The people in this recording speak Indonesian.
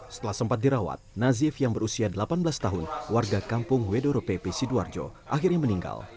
setelah sempat dirawat nazif yang berusia delapan belas tahun warga kampung wedoropepi sidoarjo akhirnya meninggal